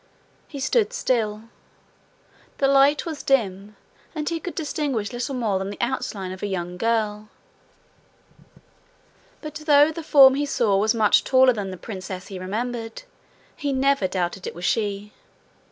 He stood still. The light was dim, and he could distinguish little more than the outline of a young girl. But though the form he saw was much taller than the princess he remembered, he never doubted it was she.